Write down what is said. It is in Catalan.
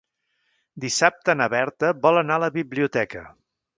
Dissabte na Berta vol anar a la biblioteca.